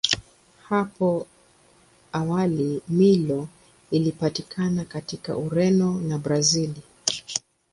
Hapo awali Milo ilipatikana katika Ureno na Brazili.